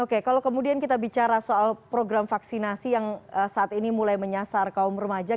oke kalau kemudian kita bicara soal program vaksinasi yang saat ini mulai menyasar kaum remaja